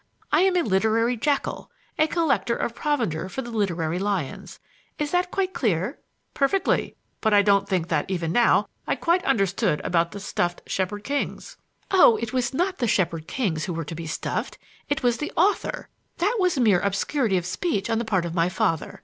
I am a literary jackal, a collector of provender for the literary lions. Is that quite clear?" "Perfectly. But I don't think that, even now, I quite understand about the stuffed Shepherd Kings." "Oh, it was not the Shepherd Kings who were to be stuffed. It was the author! That was mere obscurity of speech on the part of my father.